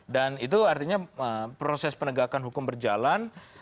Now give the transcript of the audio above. dan itu artinya proses penegakan hukum berjalan